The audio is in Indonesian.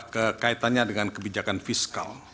kekaitannya dengan kebijakan fiskal